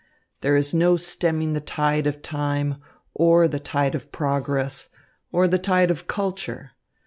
There is no stemming the tide of time, or the tide of progress, or the tide of culture.